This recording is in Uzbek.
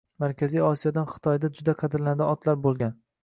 Markaziy Osiyodan Xitoyda juda qadrlanadigan otlar bo'lgan.